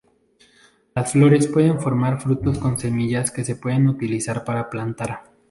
Las flores pueden formar frutos con semillas que se pueden utilizar para plantar.